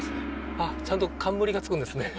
あっちゃんと冠がつくんですね。